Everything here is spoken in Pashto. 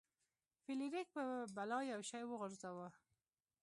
فلیریک په بلا یو شی وغورځاوه.